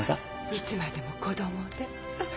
いつまでも子供で。